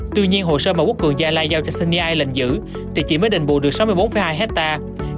tuy nhiên hồ sơ mà quốc cường gia lai giao cho seni lệnh giữ thì chỉ mới đình bù được sáu mươi bốn hai hectare